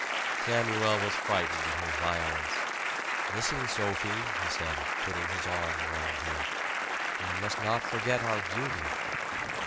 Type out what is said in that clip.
Samuel was frightened at her violence. "Listen, Sophie," he said, putting his arm around her. "We must not forget our duty."